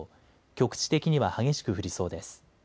局地的には激しく降りそうです。